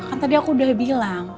kan tadi aku udah bilang